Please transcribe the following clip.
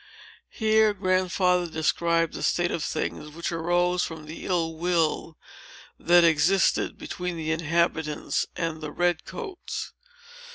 Here Grandfather described the state of things, which arose from the ill will that existed between the inhabitants and the red coats.